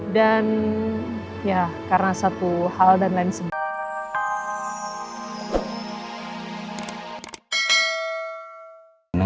dan ya karena satu hal dan lain sebuah